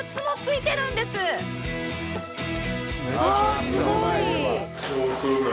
あすごい！